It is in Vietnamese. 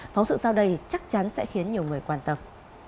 phóng sự sau đây chắc chắn sẽ khiến nhiều người quan tâm